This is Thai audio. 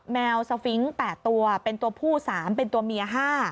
แมวสฟิงค์๘ตัวเป็นตัวผู้๓เป็นตัวเมีย๕